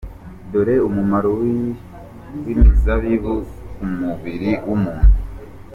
Dore umumaro w’imizabibu ku mubiri w’umuntu.